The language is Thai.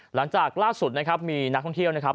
หลังจากล่าสุดนะครับมีนักท่องเที่ยวนะครับ